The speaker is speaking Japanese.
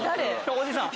おじさん！